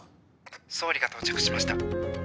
総理が到着しました。